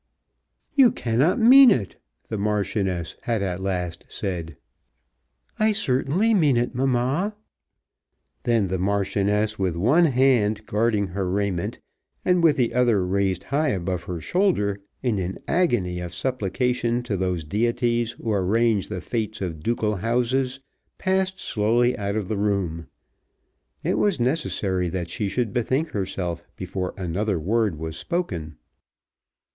"You cannot mean it!" the Marchioness had at last said. "I certainly mean it, mamma." Then the Marchioness, with one hand guarding her raiment, and with the other raised high above her shoulder, in an agony of supplication to those deities who arrange the fates of ducal houses, passed slowly out of the room. It was necessary that she should bethink herself before another word was spoken.